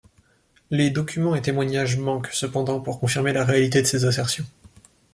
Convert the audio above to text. Les documents et témoignages manquent cependant pour confirmer la réalité de ces assertions.